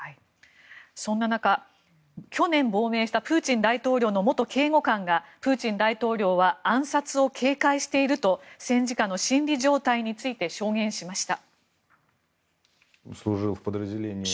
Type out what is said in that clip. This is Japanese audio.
そんな中、去年亡命したプーチン大統領の元警護官がプーチン大統領は暗殺を警戒していると戦時下の心理状態について証言しました。